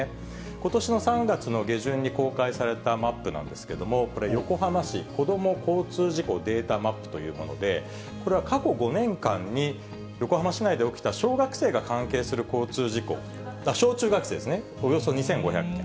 ことしの３月の下旬に公開されたマップなんですけども、これ、横浜市こども・交通事故データマップというもので、これは過去５年間に横浜市内で起きた小学生が関係する交通事故、小中学生ですね、およそ２５００件。